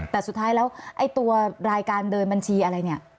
แต่สุดท้ายแล้วไอ้ตัวรายการเดินบัญชีอะไรเนี่ย